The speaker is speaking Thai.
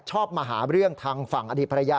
มาหาเรื่องทางฝั่งอดีตภรรยา